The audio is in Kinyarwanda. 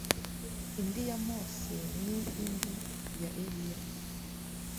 indi ya Mose n indi ya Eliya